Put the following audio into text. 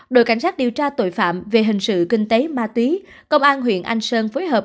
đội cảnh sát điều tra tội phạm về hình sự kinh tế ma túy công an huyện anh sơn phối hợp